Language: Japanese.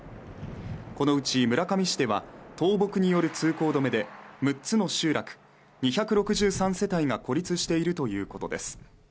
このうち村上市では倒木による通行止めで６つの集落、２６３世帯が孤立しているということです。